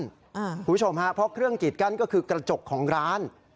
คุณผู้ชมฮะเพราะเครื่องกีดกั้นก็คือกระจกของร้าน